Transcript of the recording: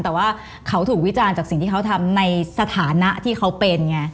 แต่ว่าเขาถูกวิจารณ์จากสิ่งที่เขาทำในสถานะที่เขาเป็นไง